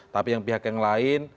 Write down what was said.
tapi yang pihak yang lain